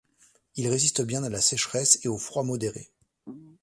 Il résiste bien à la sécheresse et au froid modéré.